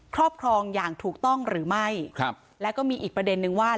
ครอบครองอย่างถูกต้องหรือไม่ครับแล้วก็มีอีกประเด็นนึงว่า